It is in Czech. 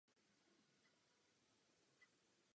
Marek Mora je svobodný a bezdětný.